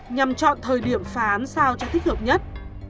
nhằm chọn thời điểm phá án sao cho thích hợp nhất